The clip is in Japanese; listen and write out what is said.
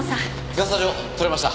ガサ状取れました。